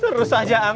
terus aja ang